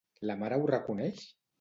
La mare ho reconeix?